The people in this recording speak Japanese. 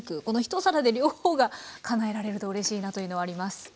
この一皿で両方がかなえられるとうれしいなというのはあります。